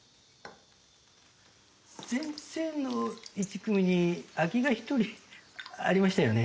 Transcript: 先生の１組に空きが１人ありましたよね？